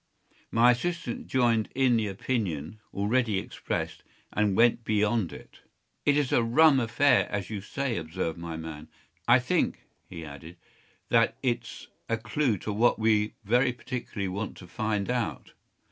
My assistant joined in the opinion already expressed, and went beyond it. “It is a rum affair, as you say,” observed my man. “I think,” he added, “that it’s a clue to what we very particularly want to find out.